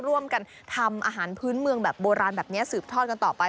ร่วมกันทำอาหารพื้นเมืองแบบโบราณแบบนี้สืบทอดกันต่อไป